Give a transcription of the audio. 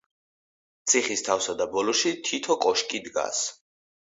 ციხის თავსა და ბოლოში თითო კოშკი დგას.